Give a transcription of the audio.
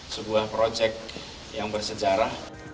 sebuah proyek yang bersejarah